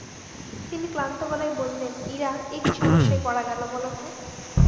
তিনি ক্লান্ত গলায় বললেন, ইরা, এ কী সমস্যায় পড়া গেল বল তো!